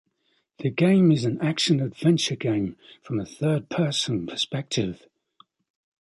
The game is an action-adventure game from a third-person perspective.